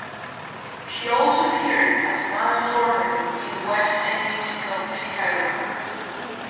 She also appeared as Mama Morton in the West End musical "Chicago".